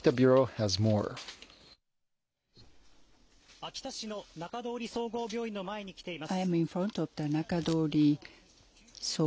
秋田市の中通総合病院の前に来ています。